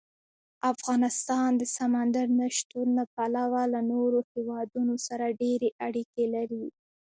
افغانستان د سمندر نه شتون له پلوه له نورو هېوادونو سره ډېرې اړیکې لري.